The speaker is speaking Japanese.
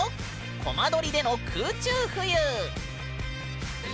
コマ撮りでの空中浮遊！